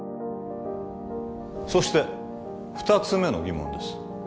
そして二つ目の疑問です